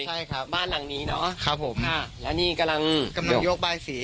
ใช่ครับบ้านหลังนี้เนอะครับผมค่ะแล้วนี่กำลังกำลังยกบายสี